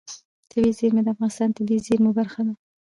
طبیعي زیرمې د افغانستان د طبیعي زیرمو برخه ده.